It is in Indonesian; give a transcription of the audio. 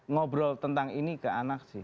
ngobrol tentang ini ke anak sih